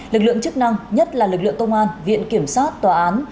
lực lượng chức năng nhất là lực lượng công an viện kiểm sát tòa án